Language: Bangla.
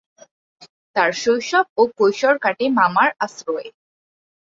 তার শৈশব ও কৈশোর কাটে মামার আশ্রয়ে।